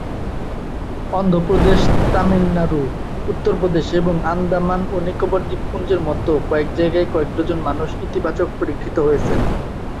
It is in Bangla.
অন্ধ্র প্রদেশ, তামিলনাড়ু, উত্তরপ্রদেশ এবং আন্দামান ও নিকোবর দ্বীপপুঞ্জের মতো কয়েক জায়গায় কয়েক ডজন মানুষ ইতিবাচক পরীক্ষিত হয়েছেন।